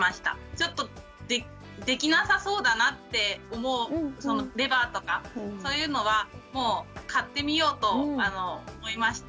ちょっとできなさそうだなって思うレバーとかそういうのはもう買ってみようと思いました。